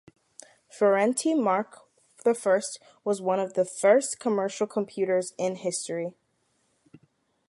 Ferranti Mark I was one of the first commercial computers in history.